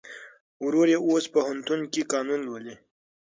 ورور یې اوس پوهنتون کې قانون لولي.